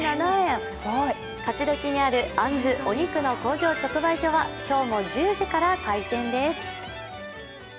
勝どきにある、あんずお肉の工場直売所は今日も１０時から開店です。